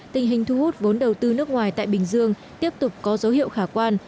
tình hình thu hút vốn đầu tư nước ngoài tại bình dương tiếp tục có dấu hiệu khả quan